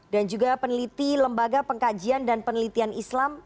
dan juga peneliti lembaga pengkajian dan penelitian islam